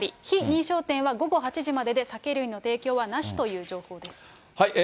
非認証店は午後８時までで酒類の提供はなしという情報です。